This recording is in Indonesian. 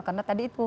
karena tadi itu